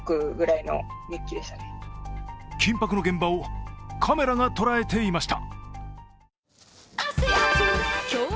緊迫の現場をカメラが捉えていました。